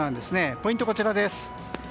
ポイントはこちらです。